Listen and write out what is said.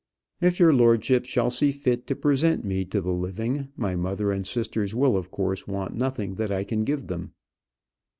"If your lordship shall see fit to present me to the living, my mother and sisters will of course want nothing that I can give them."